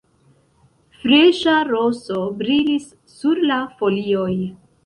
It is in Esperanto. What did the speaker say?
Freŝa roso brilis sur la folioj.